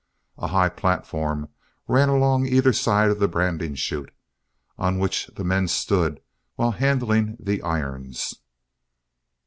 A high platform ran along either side of the branding chute, on which the men stood while handling the irons.